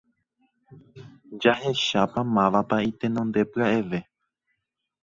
jahechápa mávapa itenondepya'eve